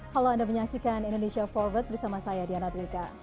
halo anda menyaksikan indonesia forward bersama saya diana twika